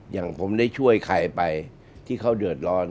อย่างผมได้ช่วยใครไปที่เขาเดือดร้อน